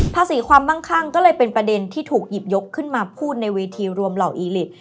ภาษีความมั่งคั่งก็เลยเป็นประเด็นที่ถูกหยิบยกขึ้นมาพูดในเวทีรวมเหล่าอีลิต